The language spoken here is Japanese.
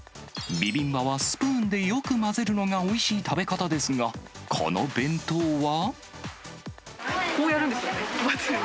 ビビンバはスプーンでよく混ぜるのがおいしい食べ方ですが、こうやるんですよね、まず。